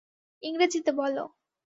ইংরেজিতে বলো।